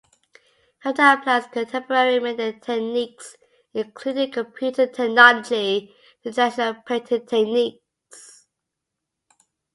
He often applies contemporary media techniques, including computer technology, to traditional painting techniques.